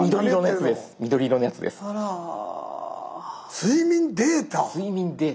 「睡眠データ」。